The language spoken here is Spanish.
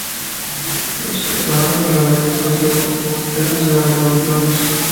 Los que trabajaron el ladrillo cocido, esos eran babilonios.